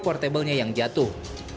setelah mobilnya yang jatuh